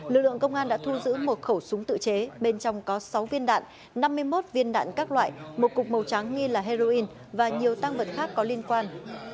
lực lượng công an đã thu giữ một khẩu súng tự chế bên trong có sáu viên đạn năm mươi một viên đạn các loại một cục màu trắng nghi là heroin và nhiều tăng vật khác có liên quan